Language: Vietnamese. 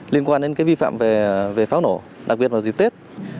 liên quan đến vi phạm về pháo nổ đặc biệt vào dịp tết